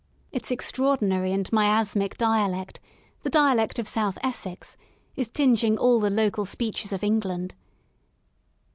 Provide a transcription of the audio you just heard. Its extra ordinary and miasmic dialect — the dialect of South Essex — is tinging all the local speeches of England.